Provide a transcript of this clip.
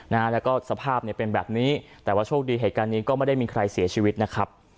นะฮะแล้วก็สภาพเนี่ยเป็นแบบนี้แต่ว่าโชคดีเหตุการณ์นี้ก็ไม่ได้มีใครเสียชีวิตนะครับ